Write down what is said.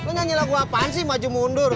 aku nyanyi lagu apaan sih maju mundur